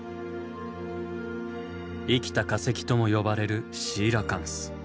生きた化石とも呼ばれるシーラカンス。